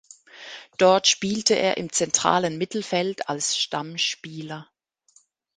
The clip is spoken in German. Dort spielte er im zentralen Mittelfeld als Stammspieler.